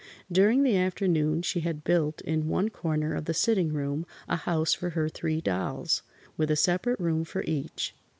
During the afternoon she had built in one corner of the sitting room a house for her three dolls, with a separate room for each.